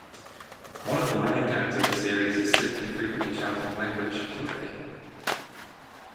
One of the running gags of the series is Sidney frequently shouting Language, Timothy!